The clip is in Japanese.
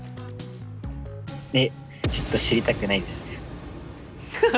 えっちょっと知りたくないです。